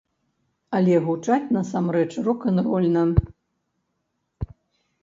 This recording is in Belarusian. Але гучаць насамрэч рок-н-рольна!